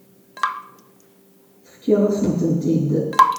Tefkiḍ-asen-tent-id.